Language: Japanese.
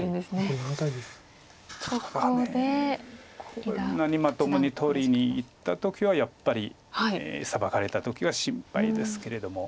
こんなにまともに取りにいった時はやっぱりサバかれた時は心配ですけれども。